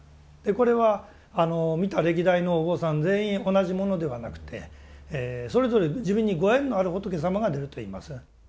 これは見た歴代のお坊さん全員同じものではなくてそれぞれ自分にご縁のある仏様が出るといいます。